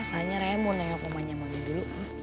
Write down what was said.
sayangnya raya mau nengok rumahnya mondi dulu